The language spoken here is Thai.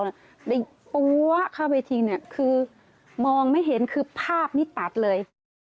ไปปว๊ะเข้าไปทิ้งคือมองไม่เห็นคือภาพนี้ตัดเลย